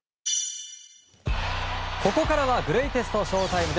ここからはグレイテストＳＨＯ‐ＴＩＭＥ。